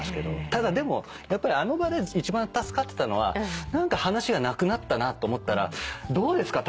ただでもやっぱりあの場で一番助かってたのは何か話がなくなったなと思ったらどうですか？